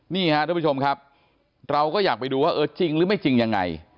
นี่ฮะทุกผู้ชมครับเราก็อยากไปดูว่าเออจริงหรือไม่จริงยังไง